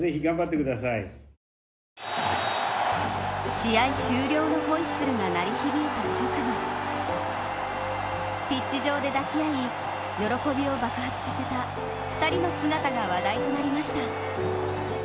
試合終了のホイッスルが鳴り響いた直後、ピッチ上で抱き合い、喜びを爆発させた２人の姿が話題となりました。